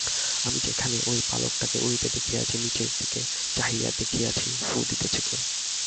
আমি যেখানে ঐ পালকটাকে উড়িতে দেখিয়াছি, নীচের দিকে চাহিয়া দেখিয়াছি ফুঁ দিতেছে কে!